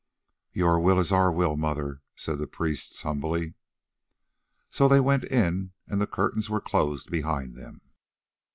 "Your will is our will, Mother," said the priests humbly. So they went in, and the curtains were closed behind them.